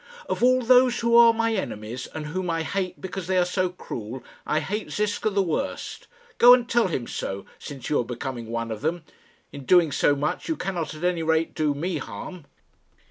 "Of all those who are my enemies, and whom I hate because they are so cruel, I hate Ziska the worst. Go and tell him so, since you are becoming one of them. In doing so much you cannot at any rate do me harm."